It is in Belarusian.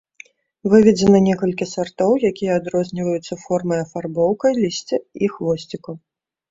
Выведзена некалькі сартоў, якія адрозніваюцца формай афарбоўкай лісця і хвосцікаў.